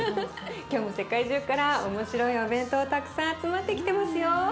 今日も世界中から面白いお弁当たくさん集まってきてますよ。